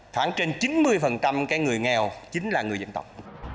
khoảng trên chín mươi cái người nghèo chính là người dân tộc